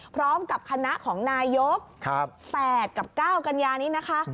พร้อมกับคณะของนายก๘กับ๙กัญญานี้นะคะ